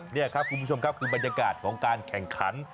นี่ครับคุณผู้ชมครับคือบรรยากาศของการแข่งขัน